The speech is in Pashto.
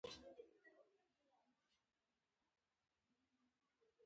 په دواړو لیکونو کې یې د خپلې وضعې شکایت کړی.